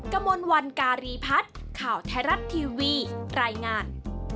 กระมวลวันการีพัฒน์ข่าวไทยรัฐทีวีรายงาน